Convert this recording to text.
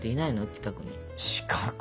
近くに？